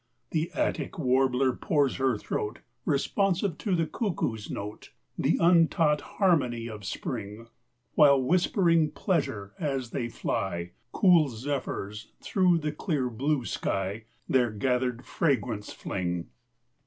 The Attic warbler pours her throat Responsive to the cuckoo's note, The untaught harmony of Spring: While, whispering pleasure as they fly, Cool Zephyrs through the clear blue sky Their gather'd fragrance fling.